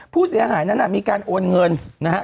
ผู้เสียหายนั้นมีการโอนเงินนะฮะ